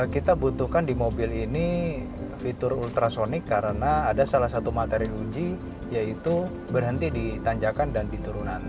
kita butuhkan di mobil ini fitur ultrasonic karena ada salah satu materi uji yaitu berhenti di tanjakan dan diturunan